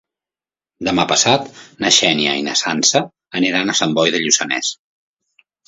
Demà passat na Xènia i na Sança aniran a Sant Boi de Lluçanès.